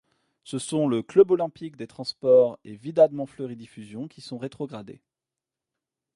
Ce sont le Club olympique des transports et Widad Montfleury Diffusion qui sont rétrogradés.